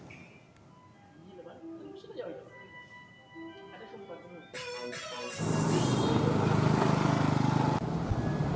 ada sempat menutup alis alis